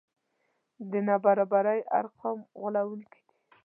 د نابرابرۍ ارقام غولوونکي دي.